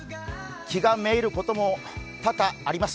気が滅入ることも多々あります。